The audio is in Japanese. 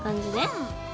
うん。